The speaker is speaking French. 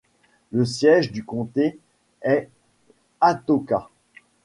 Le siège du comté est Atoka.